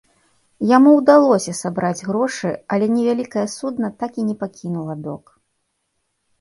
Яму ўдалося сабраць грошы, але невялікае судна так і не пакінула док.